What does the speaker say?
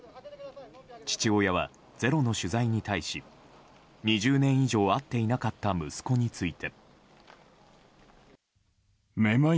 父親は「ｚｅｒｏ」の取材に対し２０年以上会っていなかった息子について。